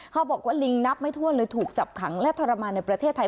เขาบอกว่าลิงนับไม่ทั่วเลยถูกจับขังและทรมานในประเทศไทย